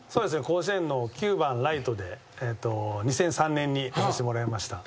甲子園の９番ライトで２００３年に出させてもらいました。